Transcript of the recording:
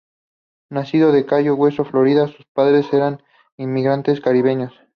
Nacido en Cayo Hueso, Florida, sus padres eran inmigrantes caribeños.